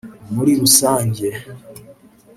Muri rusange